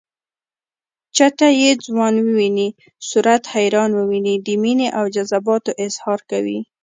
چټه چې ځوان وويني صورت حیران وويني د مینې او جذباتو اظهار کوي